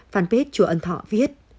phan phết chùa ân thọ viết